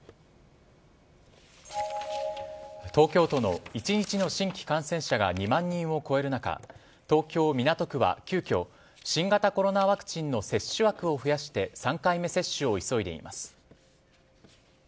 東京都の１日の新規感染者が２万人を超える中東京・港区は急きょ新型コロナワクチンの接種枠を増やして３回目接種を急いでいます。